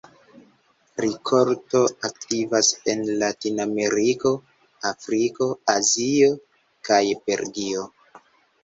Rikolto aktivas en Latinameriko, Afriko, Azio kaj Belgio.